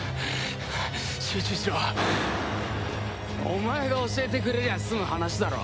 お前が教えてくれりゃ済む話だろ。